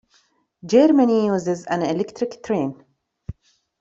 Germany uses an electric train.